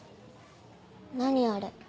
何あれ。